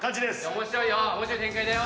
面白い展開だよ。